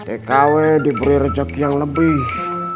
tkw diberi rezeki yang lebih